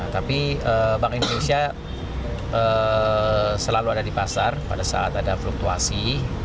tapi bank indonesia selalu ada di pasar pada saat ada fluktuasi